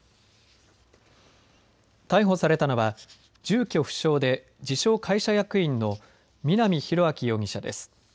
逮捕されたのは住居不詳で自称、会社役員の南浩明容疑者です。